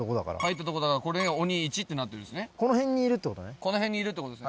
この辺にいるってことですね。